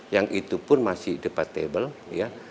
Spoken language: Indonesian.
yang itu pun masih debatable ya